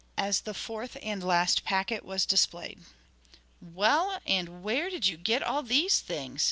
as the fourth and last packet was displayed. 'Well, and where did you get all these things?'